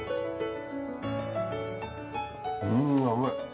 うん甘い。